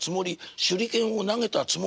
「手裏剣を投げたつもり」。